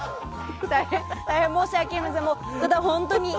大変申し訳ありません。